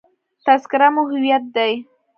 تذکره مو هویت دی.